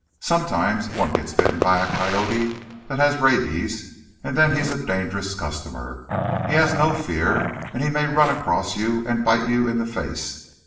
"Sometimes one gets bitten by a coyote that has rabies, and then he's a dangerous customer. He has no fear and he may run across you and bite you in the face.